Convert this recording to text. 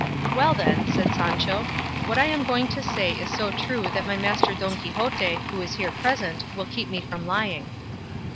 "Well then," said Sancho, "what I am going to say is so true that my master Don Quixote, who is here present, will keep me from lying."